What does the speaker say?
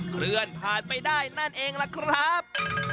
เคลื่อนผ่านไปได้นั่นเองล่ะครับ